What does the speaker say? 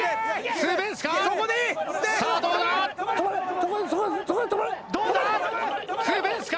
ツーベースか？